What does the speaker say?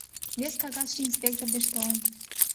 Вес кагазше инспектор деч толын.